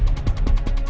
tante itu sudah berubah